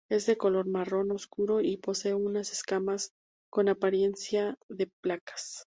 Es de color marrón oscuro y posee unas escamas con apariencia de placas.